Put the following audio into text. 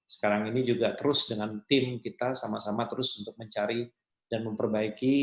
sekarang ini juga terus dengan tim kita sama sama terus untuk mencari dan memperbaiki